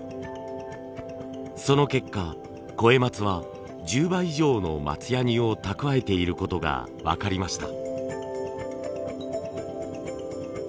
その結果肥松は１０倍以上の松ヤニを蓄えていることが分かりました。